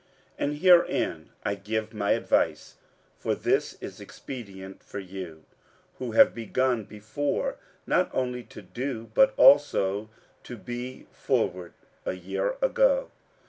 47:008:010 And herein I give my advice: for this is expedient for you, who have begun before, not only to do, but also to be forward a year ago.